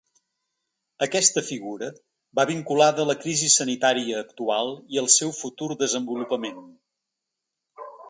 Aquesta figura va vinculada a la crisi sanitària actual i al seu futur desenvolupament.